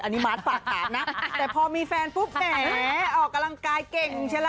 อันนี้มาร์ทฝากถามนะแต่พอมีแฟนปุ๊บแหมออกกำลังกายเก่งใช่ล่ะ